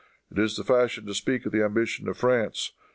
It is the fashion to speak of the ambition of France.